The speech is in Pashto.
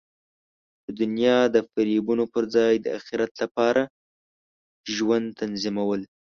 د دنیا د فریبونو پر ځای د اخرت لپاره خپل ژوند تنظیمول.